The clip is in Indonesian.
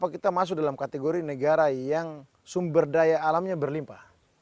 kita masuk dalam kategori negara yang sumber daya alamnya berlimpah